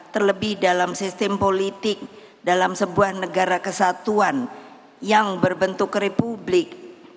terlebih dalam sistem politik dalam sebuah negara kesatuan yang berbentuk republik